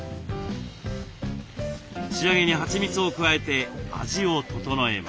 仕上げにはちみつを加えて味を調えます。